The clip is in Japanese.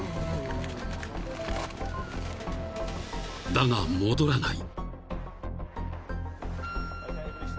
［だが戻らない］